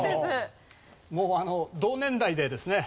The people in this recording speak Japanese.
同年代でですね